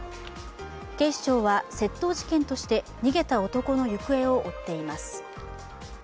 警視庁は窃盗事件として逃げた男の行方を追っています。